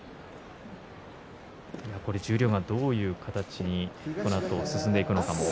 十両がどういう形でこのあと進んでいくのかも。